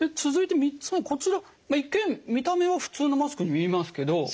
続いて３つ目こちら一見見た目は普通のマスクに見えますけど。